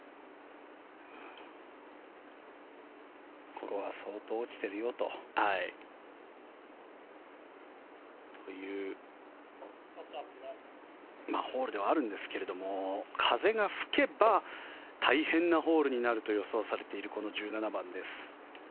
ここは相当、落ちているよと。というホールではあるんですが風が吹けば大変なホールになると予想されているこの１７番です。